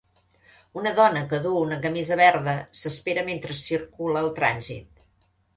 Una dona que duu una camisa verda s'espera mentre circula el trànsit.